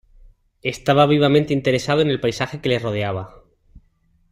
Estaba vivamente interesado en el paisaje que le rodeaba.